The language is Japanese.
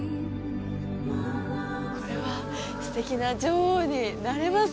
これは素敵な女王になれます